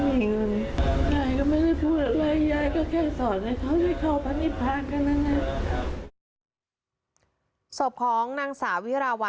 ยายก็ไม่ได้พูดอะไรยายก็แค่สอนให้เขาให้เข้าพันธ์อีกพันธ์ครั้งนั้นนะ